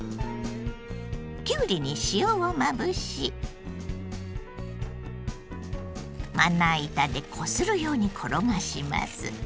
きゅうりに塩をまぶしまな板でこするように転がします。